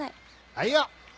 はいよ。